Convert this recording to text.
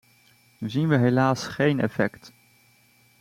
Nu zien we helaas geen effect.